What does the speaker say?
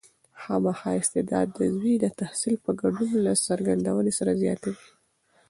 خامخا استعداد د زوی د تحصیل په ګډون له څرګندونې سره زیاتوي.